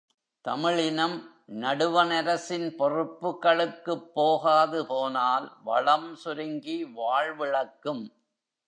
தமிழினம், நடுவணரசின் பொறுப்புகளுக்குப் போகாது போனால் வளம் சுருங்கி வாழ்விழக்கும்.